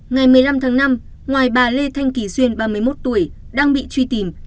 ngày một mươi năm tháng năm ngoài bà lê thanh kỳ duyên ba mươi một tuổi đang bị truy tìm